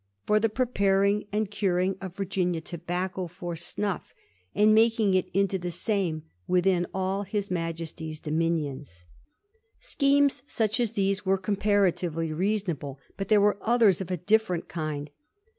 OH. ZI» for the prepariiig and curing of Virginia tobacco for snuff, and making it into the same within all his Majesty^s dominions. Schemes such as these were comparatively reasonable ; but there were others of a different kind.